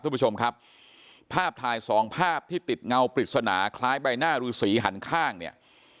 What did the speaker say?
คุณผู้ชมครับภาพถ่ายสองภาพที่ติดเงาปริศนาคล้ายใบหน้ารือสีหันข้างเนี่ย